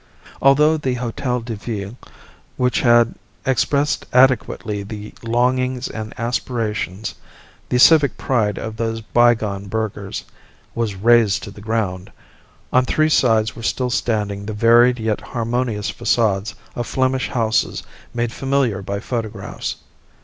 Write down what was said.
Although the Hotel de Ville, which had expressed adequately the longings and aspirations, the civic pride of those bygone burghers, was razed to the ground, on three sides were still standing the varied yet harmonious facades of Flemish houses made familiar by photographs.